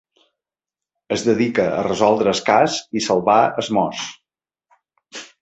Es dedica a resoldre el cas i salvar el Moss.